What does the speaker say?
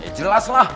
ya jelas lah